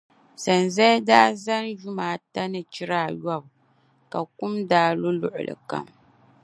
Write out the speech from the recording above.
sanzali daa zani yuma ata ni chira ayɔbu ka kum daa lu luɣili kam.